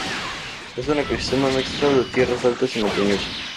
Es un ecosistema mixto de tierras altas y montañosas.